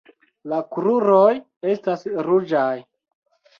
La kruroj estas ruĝaj.